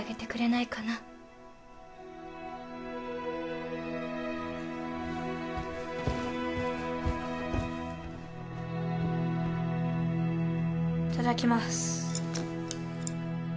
いただきます